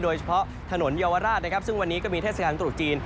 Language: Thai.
โดยเฉพาะถนนเยาวราชนะครับซึ่งวันนี้ก็มีเทศกาลตรุษจีน